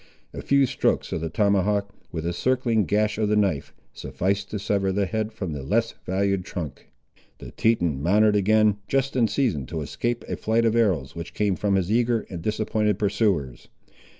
A few strokes of the tomahawk, with a circling gash of the knife, sufficed to sever the head from the less valued trunk. The Teton mounted again, just in season to escape a flight of arrows which came from his eager and disappointed pursuers.